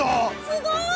すごい！